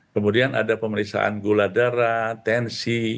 kemudian ada pemeriksaan gula darah tensi